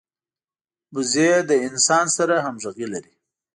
وزې له انسان سره همږغي لري